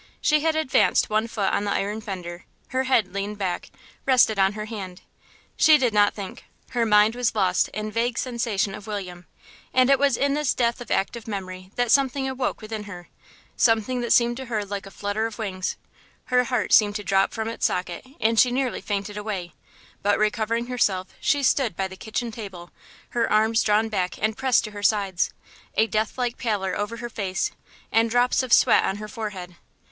She had advanced one foot on the iron fender; her head leaned back, rested on her hand. She did not think her mind was lost in vague sensation of William, and it was in this death of active memory that something awoke within her, something that seemed to her like a flutter of wings; her heart seemed to drop from its socket, and she nearly fainted away, but recovering herself she stood by the kitchen table, her arms drawn back and pressed to her sides, a death like pallor over her face, and drops of sweat on her forehead.